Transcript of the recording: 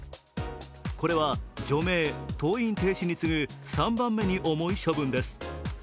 これは除名、登院停止に次ぐ３番目に重い処分です。